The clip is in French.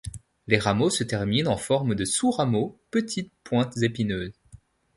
Les rameaux se terminent en forme de sous-rameaux petites pointes épineuses.